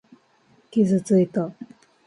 傷ついた。